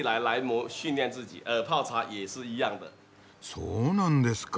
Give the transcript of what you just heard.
そうなんですか！